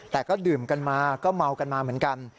แต่ก็ดื่มกันมาก็เมากันมาเหมือนกัน